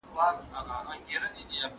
موږ د افغان محصلینو ښې بېلګي لرو، چي په